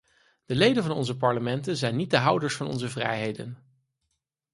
De leden van onze parlementen zijn niet de houders van onze vrijheden.